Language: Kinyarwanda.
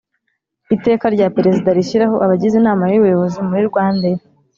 Iteka rya Perezida rishyiraho abagize Inama y Ubuyobozi muri Rwandaair